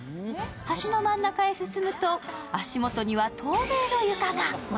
橋の真ん中へ進むと足元には透明の床が。